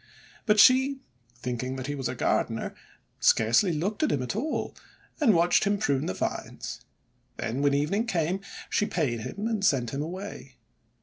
But she, thinking that he was a gardener, scarcely looked at him at all, and watched him prune the vines. Then, when evening came, she paid him and sent him away.